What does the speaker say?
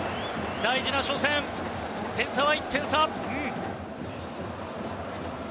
大事な初戦、点差は１点差。